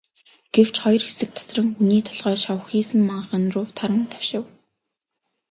Гэвч хоёр хэсэг тасран, хүний толгой шовсхийсэн манхан руу таран давшив.